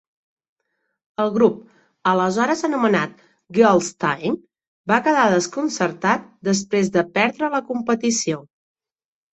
El grup, aleshores anomenat "Girl's Tyme", va quedar desconcertat després de perdre la competició.